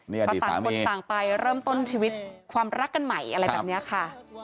เพราะต่างคนต่างไปเริ่มต้นชีวิตความรักกันใหม่อะไรแบบนี้ค่ะ